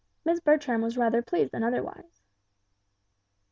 Miss Bertram was rather pleased than otherwise.